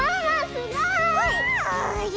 すごい！